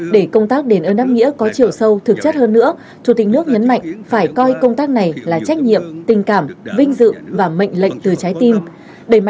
để công tác đền ơn đáp nghĩa có chiều sâu thực chất hơn nữa chủ tịch nước nhấn mạnh phải coi công tác này là trách nhiệm tình cảm vinh dự và mệnh lệnh từ trái tim